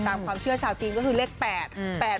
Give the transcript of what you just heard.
ตามความเชื่อชาวจีนก็คือเลข๘๘